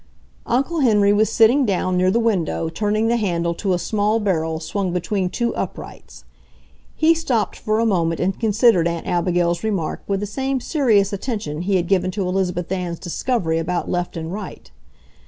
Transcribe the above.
Uncle Henry was sitting down, near the window, turning the handle to a small barrel swung between two uprights. He stopped for a moment and considered Aunt Abigail's remark with the same serious attention he had given to Elizabeth Ann's discovery about left and right.